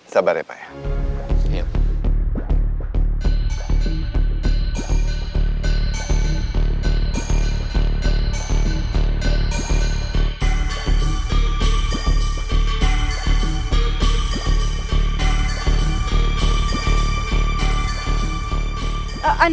sabar ya pak ya